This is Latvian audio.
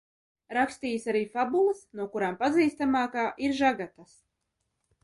"Rakstījis arī fabulas, no kurām pazīstamākā ir "Žagatas"."